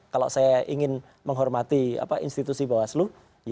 kalau saya ingin menghormati institusi bawaslu